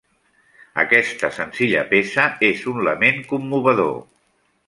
Aquesta senzilla peça és un lament commovedor.